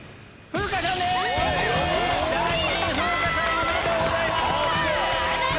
ありがとうございます！